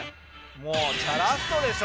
もうチャラソでしょ。